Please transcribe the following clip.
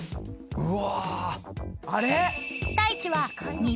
うわ！